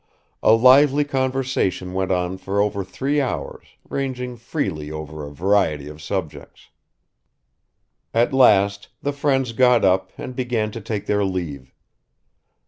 A lively conversation went on for over three hours, ranging freely over a variety of subjects. At last the friends got up and began to take their leave.